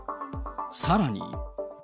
さらに。